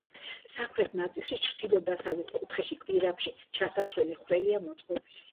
სამხრეთ ნაწილში, ჩრდილო-დასავლეთ კუთხეში, გვირაბში ჩასასვლელი ხვრელია მოწყობილი.